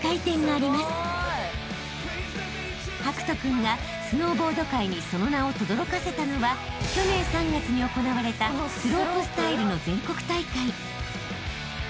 ［博仁君がスノーボード界にその名をとどろかせたのは去年３月に行われたスロープスタイルの全国大会］